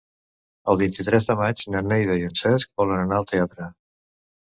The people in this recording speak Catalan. El vint-i-tres de maig na Neida i en Cesc volen anar al teatre.